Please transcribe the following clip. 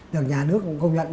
được nhà nước cũng công nhận